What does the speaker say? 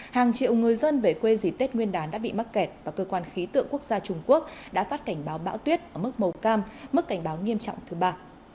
hàng triệu người dân về quê dì tết nguyên đán đã bị mắc kẹt và cơ quan khí tượng quốc gia trung quốc đã phát cảnh báo bão tuyết ở mức màu cam mức cảnh báo nghiêm trọng thứ ba